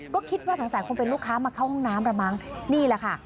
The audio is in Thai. ก็คิดว่าสงสัยคงเป็นลูกค้ามาเข้าห้องน้ำละมั้งนี่แหละค่ะ